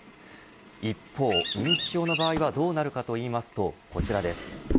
一方、認知症の場合はどうなるかといいますとこちらです。